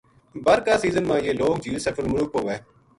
بَر کا سیزن ما یہ لوک جھیل سیف الملوک پو ہوئے